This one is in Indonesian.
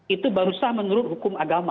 itu baru sah menurut hukum agama